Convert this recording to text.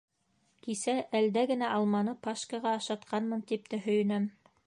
Кисә әлдә генә алманы Пашкаға ашатҡанмын тип тә һөйөнәм.